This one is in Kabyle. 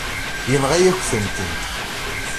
Yenɣa-yakent-tent.